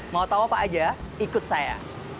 mau tahu apa aja ikut saya